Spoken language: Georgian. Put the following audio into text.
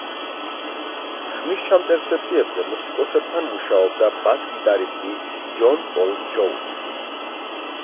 ხმისჩამწერ სესიებზე მუსიკოსებთან მუშაობდა ბას გიტარისტი ჯონ პოლ ჯოუნსი.